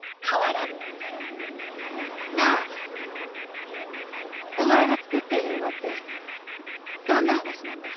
なあお前が作っている映画ってどんな話なんだ？